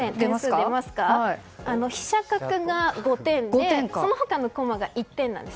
飛車角が５点でその他の駒が１点なんです。